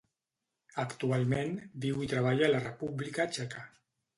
Actualment, viu i treballa a la República Txeca.